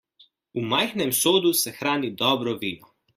V majhnem sodu se hrani dobro vino.